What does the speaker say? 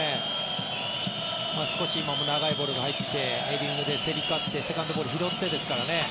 少し、今も長いボールが入ってヘディングで競り勝ってセカンドボールを拾ってですからね。